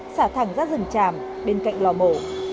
xả thẳng ra rừng tràm bên cạnh lò mổ